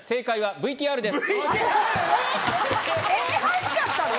ＶＴＲ⁉えっ帰っちゃったの？